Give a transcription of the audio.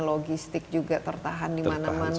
logistik juga tertahan dimana mana